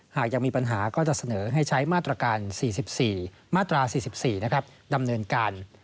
หากยังมีปัญหาก็จะเสนอให้ใช้มาตรการ๔๔มาตรา๔๔ดำเนินการ